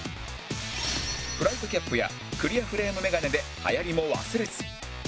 フライトキャップやクリアフレームメガネではやりも忘れず